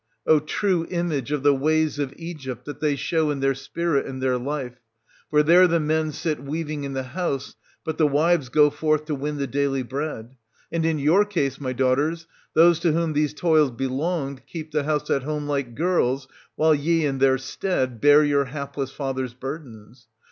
O, true image of the ways of Egypt that they show in their spirit and their life ! For there the men sit weaving in the house, but the wives go forth to win 340 the daily bread. And in your case, my daughters, those to whom these toils belonged keep the house at home like girls, while ye, in their stead, bear your hapless father's burdens.